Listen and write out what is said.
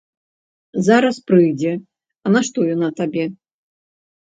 Зараз прыйдзе, а нашто яна табе?